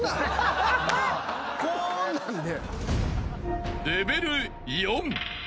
高音なんで。